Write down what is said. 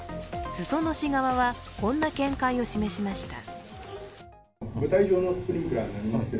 裾野市側はこんな見解を示しました。